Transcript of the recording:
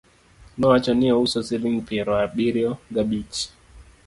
nowacho ni ouso siling piero abirio ga bich